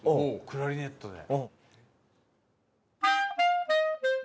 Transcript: クラリネットで。